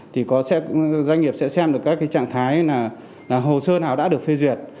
thì doanh nghiệp sẽ xem được các trạng thái là hồ sơ nào đã được phê duyệt